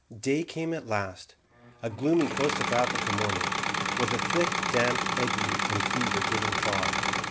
Day came at last, a gloomy coast of Africa morning, with a thick damp ague and fever giving fog.